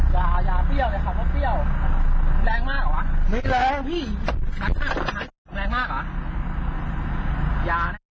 ก็ไม่แรงมากกว่า